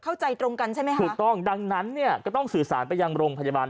เข้าใจตรงกันใช่ไหมคะถูกต้องดังนั้นเนี่ยก็ต้องสื่อสารไปยังโรงพยาบาล